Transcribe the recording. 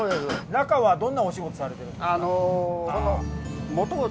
中はどんなお仕事されてるんですか？